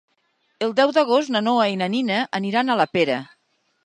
El deu d'agost na Noa i na Nina aniran a la Pera.